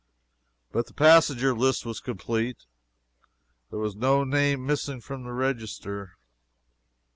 But the passenger list was complete. There was no name missing from the register.